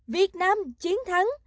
việt nam chiến thắng